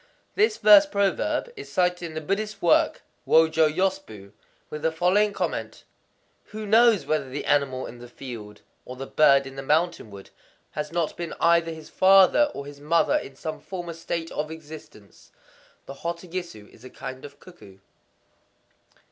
This verse proverb is cited in the Buddhist work Wōjō Yōshū, with the following comment:—"Who knows whether the animal in the field, or the bird in the mountain wood, has not been either his father or his mother in some former state of existence?"—The hototogisu is a kind of cuckoo.